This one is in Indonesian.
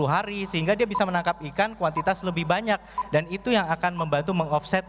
hari sehingga dia bisa menangkap ikan kuantitas lebih banyak dan itu yang akan membantu meng offset